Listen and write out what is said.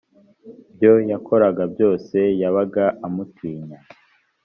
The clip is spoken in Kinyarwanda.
byo yakoraga byose yabaga amutinya